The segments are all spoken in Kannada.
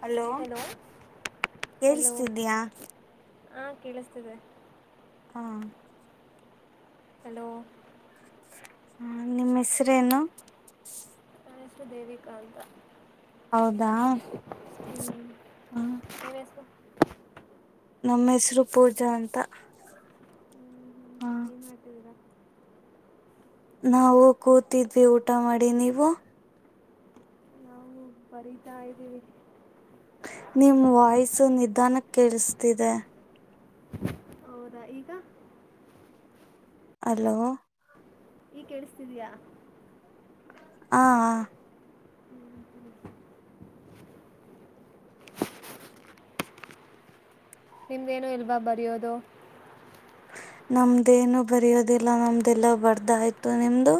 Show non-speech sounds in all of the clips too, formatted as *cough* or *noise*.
ಹಲೋ ಕೆಳ್ಸ್ತಿದೀಯ ಹಾ ಕೇಳಿಸ್ತಿದೆ ಹ ಹಲೋ ಹಾ ನಿಮ್ಮ್ ಹೆಸ್ರೇನು ನನ್ ಹೆಸರು ದೇವಿಕಾ ಅಂತ ಹೌದಾ ಹ್ಞೂ ನಿಮ್ಮ ಹಾ ಹೆಸರು ನಮ್ಮ ಹೆಸರು ಪೂಜಾ ಅಂತ ಹ ತರ ನಾವು ಕೂತಿದ್ವಿ ಊಟ ಮಾಡಿ ನೀವು ನಾವು ಬರಿತಾ ಇದ್ದೀವಿ ನಿಮ ವಾಯ್ಸ ನಿಧಾನ ಕೇಳಿಸತಿದೆ ಹೌದಾ ಈಗ ಹಲೋ ಈ ಕೇಳಿಸತಿದಯಾ ಹಾ ಹ ನಿಮ್ದೇನು ಇಲ್ವಾ ಬರಯೋದು ನಮ್ದೇನು ಬರೆಯೋದಿಲ್ಲ ನಮ್ದೆಲ್ಲ ಬರ್ದಾಯ್ತು ನಿಮ್ದು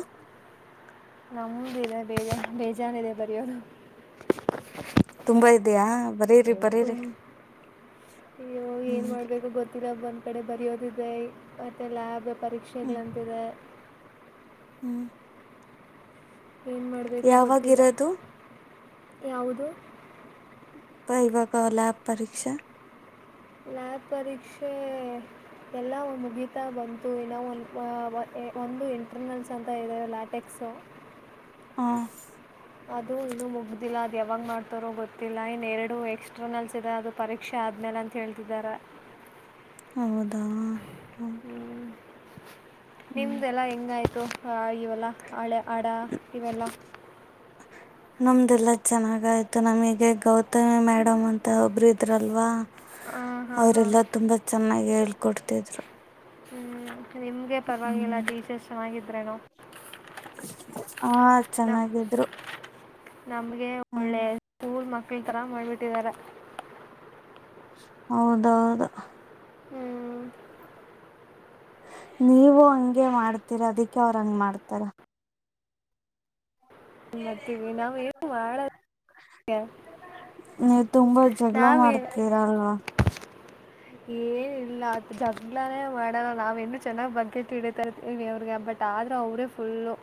ನಮು ಬದ ಬೇಜ ಬೇಜಾನದೆ ಬರಿ ಒದು ತುಂಬಾ ಇದಯಾ ಬರ ತುಂಬ ಇ ಏನ್ ಹ್ಮ್ ಮಾಡ್ಬೇಕು ಗೊತ್ತ ಒಂದ್ ಕಡೆ ಬರಯೋದಿದೆ ಮತ್ತೆ ಲಾಭ ಹ್ಮ್ ಪರೀಕ್ಷೆಗಳಂತಿದೆ ಹ್ಮ್ ಏನು ಮಾಡಬೇಕು ಗೊತ್ತಿಲ್ಲ ಯಾವಾಗಿರೋದು ಯಾವುದು ಪವಾಗಲ್ಲಾಬ್ ಪರೀಕ್ಷಾ ಲ್ಯಾಬ್ ಪರೀಕ್ಷೆ ಎಲ್ಲ ಒ ಮುಗೀತಾ ಬಂತು ಇನ್ನ ಒಂದು ಒಂದು ಇಂಟರ್ನಲ್ಸ್ ಅಂತ ಇದ್ದಾರೆ ಲ್ಯಾಟೆಕ್ಸು ಹಾಂ ಅದು ಇನ್ನೂ ಮುಗ್ದಿಲ್ಲ ಅದು ಯಾವಾಗ ಮಾಡ್ತಾರೋ ಗೊತ್ತಿಲ್ಲ ಇನ್ನ ಎರಡು ಎಕ್ಸ್ಟ್ರನಲ್ಸ್ ಇದೆ ಅದು ಪರೀಕ್ಷೆ ಆದ್ಮೇಲೆ ಅಂತ ಹೇಳ್ತಿದ್ದಾರೆ ಹೌೌದು ಹ್ಮ್ *inaudible* ಹ್ಮ್ ನಿಮ್ದೆಲ್ಲಾ ಹೆಂಗಾಯ್ತ ಇವೆಲ್ಲ ಹಳೆ ಆಡ ಇವೆಲ್ಲ ನಮ್ದಲ್ಲ ಚೆನ್ನಾಗಯ್ತು ನಮಗೆ ಗೌತಮಿ ಮೇಡಮ್ ಅಂತ ಒಬರು ಇದ್ರಲ್ವಾ ಹಾಂ ಹಾಂ ಹಾಂ ಅವರೆಲ್ಲಾ ತುಂಬಾ ಚೆನ್ನಾಗಿ ಹೇಳ್ತಾರೆ ಕೊಡ್ತಿದ್ರು ಹ್ಮ್ ನಿಮ್ಗೆ ಪರವಾಗಿಲ್ಲ ಟೀಚರ್ಸ್ ಚೆನ್ನಾಗ ನ ಹಾ ಚೆನ್ನಾಗಿದ್ರು ನಮ್ಗೆ ಹ್ಮ್ ಒಳ್ಳೆ ಸ್ಕೂಲ್ ಮಕ್ಕಳ ಿ ತರ ಮಾಡ್ಬಿಟ್ಟಿದ್ದಾರೆ ಹೌದೌದು ಹ್ಮ್ ನೀವು ಹಂಗೆ ಮಾಡ್ತೀರ ಅದಕ್ಕೆ ಅವರು ಹಂಗ ಮಾಡ್ತಾರ ಮಾಡ್ತೀವಿ ನಾವು ಏನು ಮಾಡೋದು ಗೆ ನೀವು ತುಂಬಾ ಜಗಳ ಮಾಡ್ತೀರಲ್ವಾ ಏನಲ್ಲ ಜಗ್ಲಾನೇ ಮಾಡಲ್ಲ ನಾವ ಇನ್ನು ಚೆನ್ನಾಗ್ ಬಕೆಟ್ ಹಿಡಿತರ್ತೀವಿ ಅವ್ರಿಗೆ ಬಟ್ ಆದ್ರೂ ಅವ್ರೇ ಫುಲ್ಲು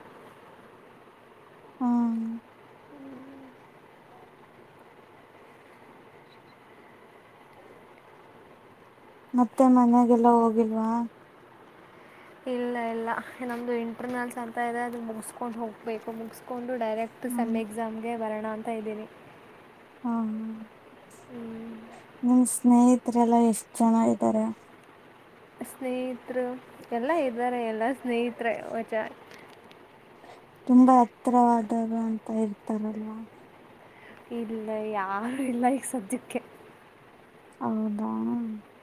ಹ್ಮ್ ಮತ್ತೆ ಮನೆಗೆಲ್ಲ ಹೋಗಿಲ್ವಾ ಇಲ್ಲ ಇಲ್ಲ ನಮ್ದು ಇಂಟರ್ನಲ್ಸ್ ಅಂತ ಇದೆ ಅದು ಮುಗಿಸಸ್ಕೊಂಡ್ ಹೋಗ್ಬೇಕು ಮುಗಸ್ಕೊಂಡ ಡೈರೆಕ್ಟ್ ಹ್ಮ್ ಸೆಮ್ ಎಕ್ಸಾಮ್ ಗೆ ಬರೋಣ ಅಂತ ಇದ್ದೀನಿ ಹ್ಮ ಹ್ಮ ಹ್ಮ್ ಸ್ನೇಹಿತರೆಲ್ಲ ಎಷ್ಟು ಜನ ಇದ್ದಾರೆ ಸ್ನೇಹಿತೃರು ಎಲ್ಲಾ ಇದ್ದಾರೆ ಎಲ್ಲಾ ಸ್ನೇಹತ್ರೆ ವಚ ತುಂಬಾ ಹತ್ರವಾದರು ಅಂತ ಇರ್ತಾರಲ್ವಾ ಇಲ್ಲ ಯಾರು ಇಲ್ಲ ಈಗ ಸದಜಕ್ಕ್ಕೆ ಹೌದಾ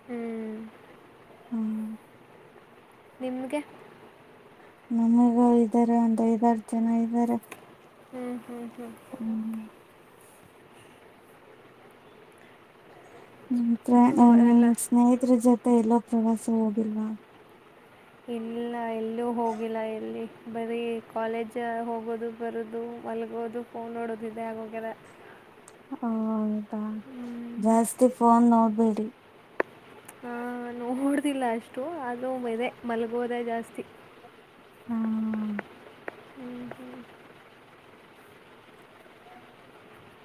ಹ್ಮ್ ಹ್ಮ್ ನಿಮಗೆ ನಮಗ ಇದ್ದಾರೆ ಒಂದು ಐದಾರು ಜನ ಇದ್ದಾರೆ ಹ್ಮ್ ಹ್ಮ್ ಹ್ಮ್ ತುಂಬ ನಿಮ್ಮ ಎಲ್ಲ ಸ್ನೇಹಿತರ ಜೊತೆ ಮತ್ತೆ ಎಲ್ಲೂ ಪ್ರವಾಸ ಹೋಗಿಲ್ವಾ ಇಲ್ಲ ಎಲ್ಲಿೂ ಹೋಗಿಲ್ಲ ಎಲ್ಲಿ ಬರೀ ಕಾಲೇಜ ಹೋಗೋದು ಬರೋದು ಮಲಗೋದು ಫೋನ್ ನೋಡೋದುಿ ಇದೆ ಆಗೋಗ್ಯಾದೇ ಹ ಹ ಜಸ್ ಫೋನ್ ನೋಡ್ಬೇಡಿ ನೋಡಿದಿಲ್ಲ ಅಷ್ಟು ಅದ್ರು ಅದೇ ಮಲ್ಗೋದೆ ಜಾಸ್ತಿ *unintelligible* ಹಾ *inaudible*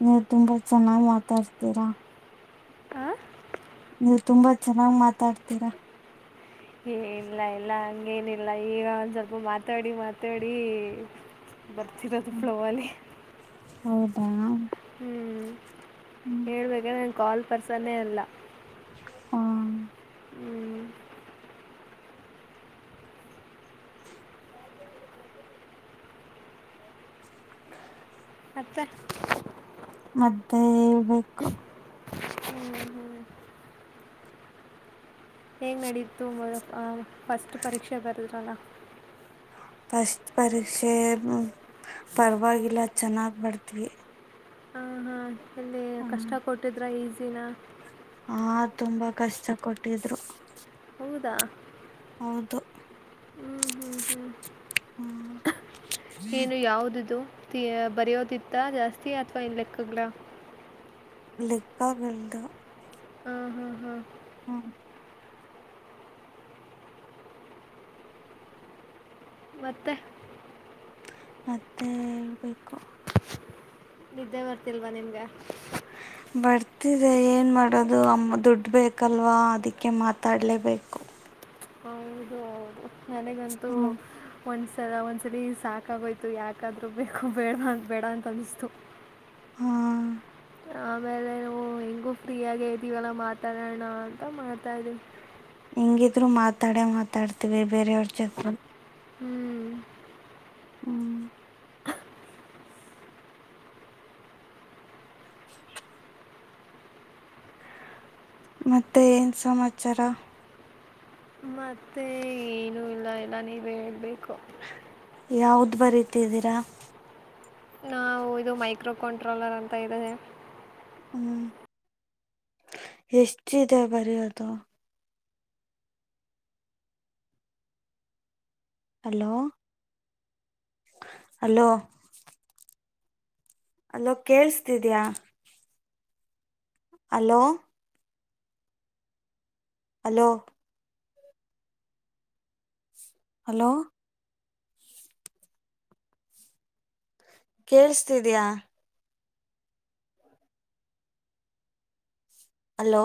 ನೀವು ತುಂಬಾ ಚೆನ್ನಾಗ್ ಮಾತಾಡ್ತೀರಾ ಹಾಂ ನೀವು ತುಂಬಾ ಚೆನ್ನಾಗ್ ಮಾತಾಡ್ತೀರಾ ಇಲ್ಲ ಇಲ್ಲ ಹಂಗೇನಿಲ್ಲ ಈಗ ಒಂದ್ ಸ್ವಲ್ಪ ಮಾತಾಡಿ ಮಾತಾಡಿ ಬರ್ತಿರೋದು ಫ್ಲೋ ಅಲ್ಲಿ *unintelligible* ಹ್ಮಞ ಹೇಳ್ಬೇಕ್ರ ನಾನ್ ಕಾಲ್ ಪರ್ಸನ್ನೇ ಅಲ್ಲ ಹಾ ಹ್ಞೂ ಮತ್ತೆ. ಮದೆೇಳ್ಬೇಕು ಹೆೇಂಗ್ ನಡೀ ತುಂಬ ಫಸ್ಟ್ ಪರೀಕ್ಷೆ ಬಾರ್ದ್ರಾಲಾ ಫಸ್ಟ್ ಪರೀಕ್ಷೆ ಪರವಾಗಿಲ್ಲ ಚೆನ್ನಾಗ್ ಬರದ್ವಿ. ಹಾಂ ಹಾಂ ಇಲ್ಲಿ ಕಷ್ಟ ಕೊಟ್ಟಿದ್ರೆ ಈಸಿ ಇಿನ ಹಾ ತುಂಬಾ ಕಷ್ಟ ಕೊಟ್ಟಿದ್ರು ಹೌದಾ ಹೌದು *unintelligible* ಹ್ಮ್ ಏನು ಯಾವ್ದ ಇದು ಬರೆಯೋದಿತ್ತ ಜಾಸ್ತಿ ಅಥವಾ ಏನ್ ಲೆಕ್ಕಗ್್ಲ ಲೆಕ್ಕಾ *unintelligible* ಹ್ಮ ಹಾ್ ಹಾ್ ಹ್ಮ *unintelligible* ಮತ್ತೆ ಮತ್ತೆ ಹೇಳ್ಬೇಕು. ನಿದ್ದೆ ಬರ್ತಿಲ್ವಾ ನಿಮಗೆ. ಬರ್ತಿದೆ ಏನು ಮಾಡೋದು ಅಮ್ಮ ದುಡ್ಡು ಬೇಕಲ್ವಾ ಅದಕ್ಕೆ ಮಾತಾಡಲೇಬೇಕು. ಹೌದ ನನಗಂತೂ ಹ್ಮ್ ಒನ್ *unintelligible* ಒಂದ್ಸರಿ ಸಾಕಾಗೋಯ್ತು ಯಾಕಾದ್ೂ ಬೇಕು ಬೇಡ ಅ ಬೇಡ ಅಂತ ಅನಿಸ್ತು. ಹ್ಮ ಆಮೇಲೆ ನಾವು ಹೆಿಂಗೂ ಫ್ರೀಯಗ ಇದ್ದೀವಲ್ಲ ಮಾತಾಡೋಣ ಅಂತ ಮಾಡ್ತಾ್ದೀವಿ. ಹಿಂಗಿದ್ರು ಮಾತಾಡ ಮಾತಾಡ್ತಿೀವಿ ಬೇರೆಯವ್ರ ಜೊತೆ *unintelligible* ಹ್ಮ್ ಹ್ಮ್ *inaudible* ಮತ್ತೆ ಏನ್ ಸಮಾಚಾರ. ಮತ್ತೆ ಏನುೂ ಇಲ್ಲ ಎಲ್ಲ ನೀವು ಹೇಳ್ಬೇಕು. *inaudible* ಯಾವ್ದ್ ಬರತಿದ್ದೀರಾ. ನಾವು ಇದು ಮೈಕ್ರೋ ಕಂಟ್ರೋಲರ್ ಅಂತ ಇದೆ. ಹ್ಮ್ ಎಷ್ಟದೆ ಬರಿಯೋದು. ಹಲೋ ಹಲೋ ಅಲ್ಲೋ ಕೇೇಳಸ್ತಿದ್ಯಾ. ಹಲೋ- ಹಲೋ ಹಲ್ಲೋ ಕೇಳಸ್ತಿದ್ಯಾ. ಹಲೋ